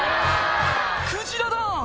クジラだ！